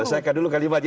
selesaikan dulu kalimatnya